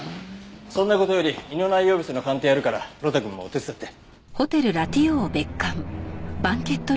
そんな事より胃の内容物の鑑定やるから呂太くんも手伝って。